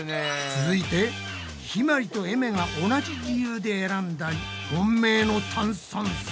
続いてひまりとえめが同じ理由で選んだ本命の炭酸水。